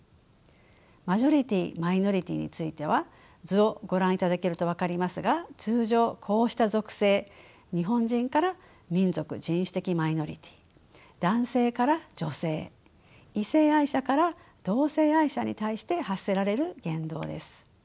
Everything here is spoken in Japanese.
マジョリティーマイノリティーについては図をご覧いただけると分かりますが通常こうした属性日本人から民族人種的マイノリティー男性から女性異性愛者から同性愛者に対して発せられる言動です。